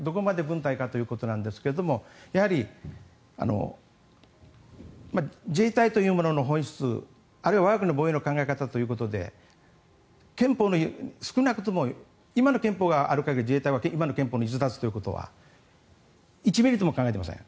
もう１つはどこまで軍隊かということなんですがやはり自衛隊というものの本質あるいは我が国の防衛の考え方ということで今の憲法がある限り自衛隊は今の憲法を逸脱ということは１ｍｍも考えていません。